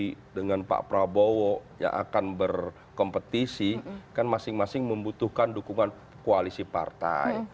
tapi dengan pak prabowo yang akan berkompetisi kan masing masing membutuhkan dukungan koalisi partai